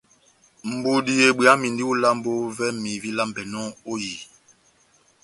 Budi ebweyamindi ó ilambo vɛ́mi vílambɛnɔ ó ehiyi.